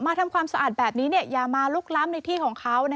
ทำความสะอาดแบบนี้อย่ามาลุกล้ำในที่ของเขา